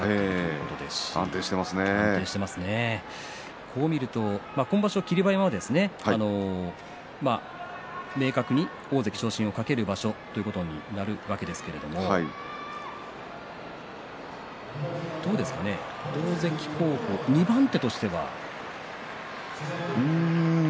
こうして見ると霧馬山は今場所、明確に大関昇進を懸ける場所ということになりますがどうですかね大関候補２番手としては。